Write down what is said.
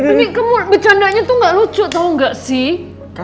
tapi kamu bercandanya tuh gak lucu tau gak sih